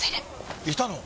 いたの？